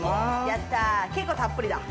やった結構たっぷりだ。